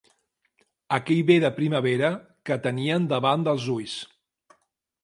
Aquell bé de primavera que tenien davant dels ulls.